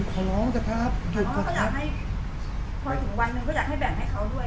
พี่น้องจะครับพี่น้องก็อยากให้พอถึงวันหนึ่งก็อยากให้แบ่งให้เขาด้วย